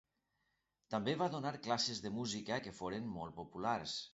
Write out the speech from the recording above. També va donar classes de música, que foren molt populars.